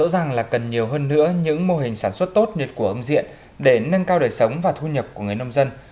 rõ ràng là cần nhiều hơn nữa những mô hình sản xuất tốt nhất của ông diện để nâng cao đời sống và thu nhập của người nông dân